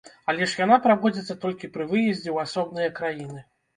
Але ж яна праводзіцца толькі пры выездзе ў асобныя краіны.